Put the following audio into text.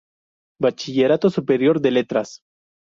Bachillerato Superior de Letras.